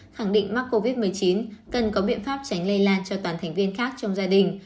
khẳng định mắc covid một mươi chín cần có biện pháp tránh lây lan cho toàn thành viên khác trong gia đình